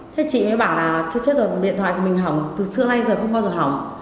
thế chị mới bảo là chết rồi điện thoại của mình hỏng từ xưa nay giờ không bao giờ hỏng